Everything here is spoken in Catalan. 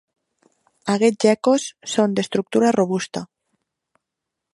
Aquests geckos són d'estructura robusta.